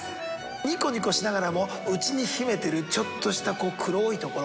ニコニコしながらも内に秘めてるちょっとした黒いところ。